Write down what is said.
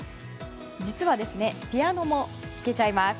実は、ピアノも弾けちゃいます。